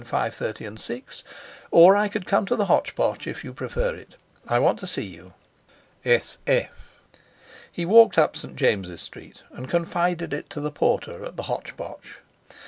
30 and 6, or I could come to the Hotch Potch if you prefer it. I want to see you.—S. F." He walked up St. James's Street and confided it to the porter at the Hotch Potch.